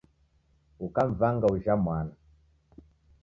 Ukamwangaa uja mwana